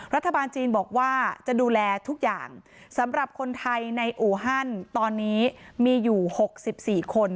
รัฐบาลจีนบอกว่าจะดูแลทุกอย่างสำหรับคนไทยในอูฮันตอนนี้มีอยู่๖๔คน